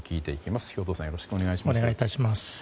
よろしくお願いします。